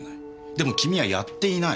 でも君はやっていない。